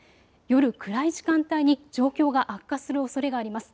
夜暗い時間帯に状況が悪化するおそれがあります。